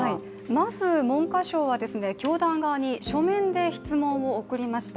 まず文科省は教団側に書面で質問状を送りました。